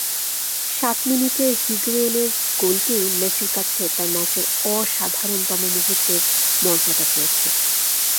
সাত মিনিটে হিগুয়েইনের গোলটিই মেসির কাছে তাই ম্যাচের অসাধারণতম মুহূর্তের মর্যাদা পেয়েছে।